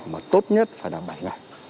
mà tốt nhất phải là bảy ngày